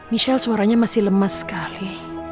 michelle suaranya masih lemas sekali